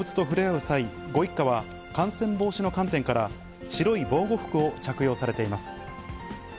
動物と触れ合う際、ご一家は、感染防止の観点から、白い防護服を着用されています。